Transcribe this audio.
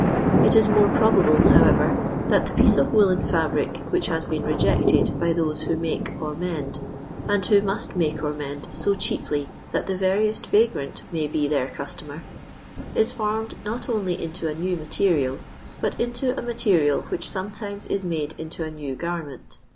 It is more probable, however, that the piece of woollen fabric which has been rejected by those who make or mend, and who must make or mend so cheaply that the veriest vagrant may be their customer, is formed not only into a new material, but into a material which sometimes is made into a new garment.